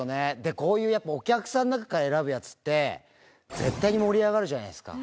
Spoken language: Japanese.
こういうお客さんの中から選ぶやつって、絶対に盛り上がるじゃないですか。